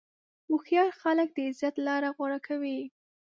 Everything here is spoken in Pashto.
هوښیار خلک د عزت لاره غوره کوي.